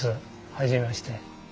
初めまして。